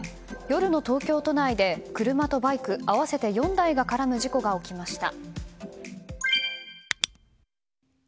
夜の東京都内で車とバイク合わせて４台が絡む事故が起きました。